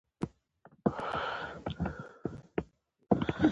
د هغه له وفات څخه وروسته افغانستان ته ستون شوی وي.